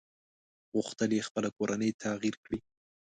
غوښتل يې خپله کورنۍ تغيير کړي.